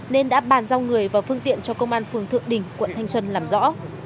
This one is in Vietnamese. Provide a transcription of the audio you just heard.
nên đã bàn giao người và phương tiện cho công an phường thượng đình quận thanh xuân làm rõ